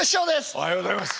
おはようございます。